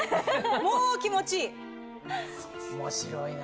もう気持ちいい！